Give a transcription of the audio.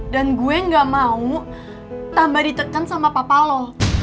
dan gue gak mau tambah diteken sama papa lo